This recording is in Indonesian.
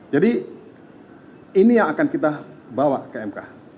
jadi ini yang akan kita bawa ke mk